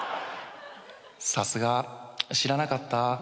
「さすが」「知らなかった」